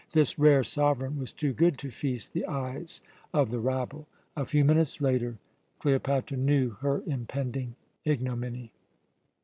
This rare sovereign was too good to feast the eyes of the rabble. A few minutes later Cleopatra knew her impending ignominy.